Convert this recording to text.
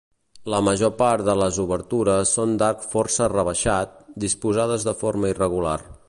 La major part de les obertures són d'arc força rebaixat, disposades de forma irregular.